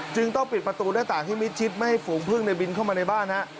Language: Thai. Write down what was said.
ต้องปิดประตูหน้าต่างที่มิดชิดไม่ให้ฝูงพึ่งในบินเข้ามาในบ้านฮะ